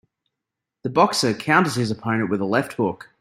The boxer counters his opponent with a left hook.